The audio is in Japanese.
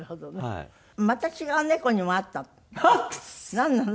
なんなの？